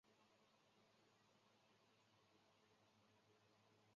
河水应该比较干净